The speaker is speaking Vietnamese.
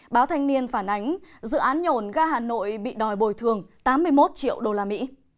báo thanh niên phản ánh dự án nhổn ga hà nội bị đòi bồi thường tám mươi một triệu usd